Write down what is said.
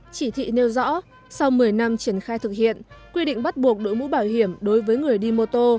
chỉ thị nêu rõ sau một mươi năm triển khai thực hiện quy định bắt buộc đội mũ bảo hiểm đối với người đi mô tô